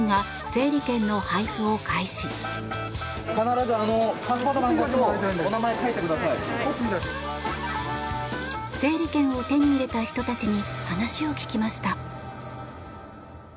整理券を手に入れた人たちに話を聞きました。